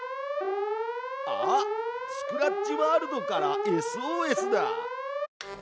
あっスクラッチワールドからＳＯＳだ！